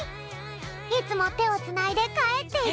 いつもてをつないでかえっていたんだって。